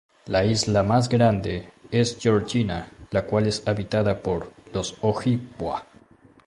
La isla más grande es Georgina la cual es habitada por los Ojibwa.